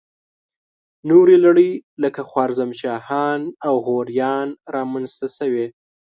نورې لړۍ لکه خوارزم شاهان او غوریان را منځته شوې.